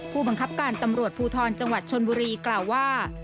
ผู้บังคับการตำรวจภูทรจังหวัดชนบุรีกล่าวว่า